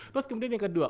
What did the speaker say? terus kemudian yang kedua